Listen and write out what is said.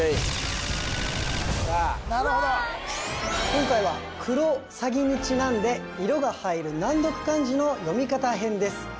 今回は「クロサギ」にちなんで色が入る難読漢字の読み方編です